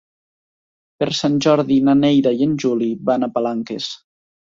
Per Sant Jordi na Neida i en Juli van a Palanques.